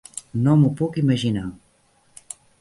No m'ho puc imaginar.